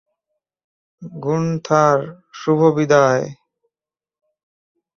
Gunther, শুভ বিদায়।